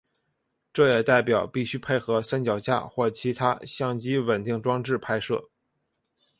这也代表必须配合三脚架或其他相机稳定装置拍摄。